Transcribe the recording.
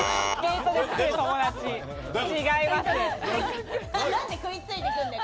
違いますよ。